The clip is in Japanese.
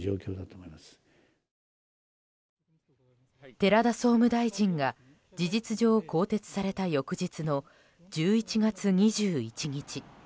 寺田総務大臣が事実上更迭された翌日の１１月２１日。